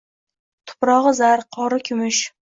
Tuprog‘i zar, qori kumush